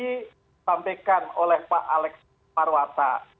disampaikan oleh pak alex marwata